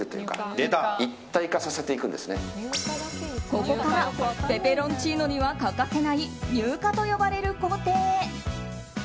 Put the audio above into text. ここからペペロンチーノには欠かせない乳化と呼ばれる工程へ。